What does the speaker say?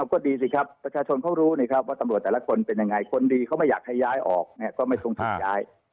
ก็ดีสิครับประชาชนเขารู้นะครับว่าตำรวจแต่ละคนเป็นยังไงคนดีเขาไม่อยากให้ย้ายออกก็ไม่ทรงถูกย้าย